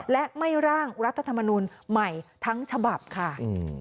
และไม่ร่างรัฐธรรมนูลใหม่ทั้งฉบับค่ะ